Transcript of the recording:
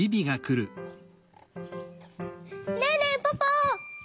ねえねえポポ！